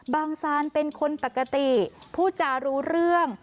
ซานเป็นคนปกติพูดจารู้เรื่อง